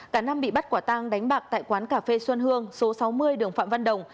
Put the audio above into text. cả năm bị bắt quả tang đánh bạc tại quán cà phê xuân hương số sáu mươi đường phạm văn đồng